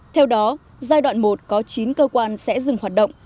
theo đó giai đoạn một có chín cơ quan sẽ dừng hoạt động